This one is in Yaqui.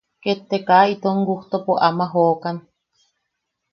Ket te kaa itom gustopo ama jokan.